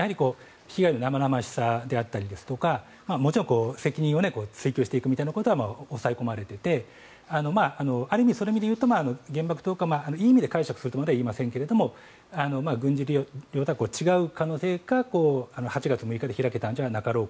被害の生々しさやもちろん責任を追及していくということは抑え込まれていてある意味、そういう意味でいうと原爆投下をいい意味で解釈するとまでは言いませんが軍事利用とは違う可能性が８月６日に開けたのではと。